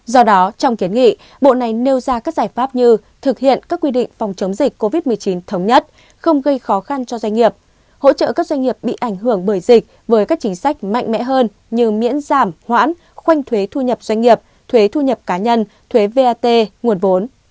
do đó trong kiến nghị bộ này nêu ra các giải pháp như thực hiện các quy định phòng chống dịch covid một mươi chín thống nhất không gây khó khăn cho doanh nghiệp hỗ trợ các doanh nghiệp bị ảnh hưởng bởi dịch với các chính sách mạnh mẽ hơn như miễn giảm hoãn khoanh thuế thu nhập doanh nghiệp thuế thu nhập cá nhân thuế vat nguồn vốn